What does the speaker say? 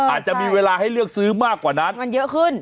อาจจะมีเวลาให้เลือกซื้อมากกว่านั้นมันเยอะขึ้น